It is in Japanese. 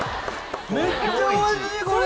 めっちゃおいしいこれ！